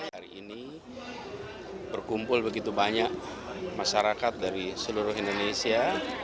hari ini berkumpul begitu banyak masyarakat dari seluruh indonesia